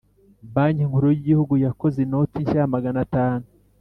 Banki Nkuru y Igihugu yakoze inoti nshya ya maganatanu